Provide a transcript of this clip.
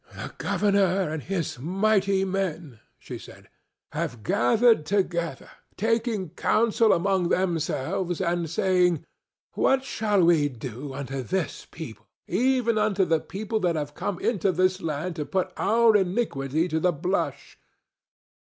"The governor and his mighty men," she said, "have gathered together, taking counsel among themselves and saying, 'What shall we do unto this people—even unto the people that have come into this land to put our iniquity to the blush?